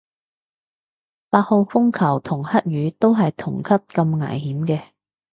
八號風球同黑雨都係同級咁危險嘅